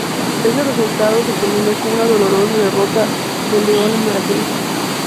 Ese resultado se combinó con una dolorosa derrota del León en Veracruz.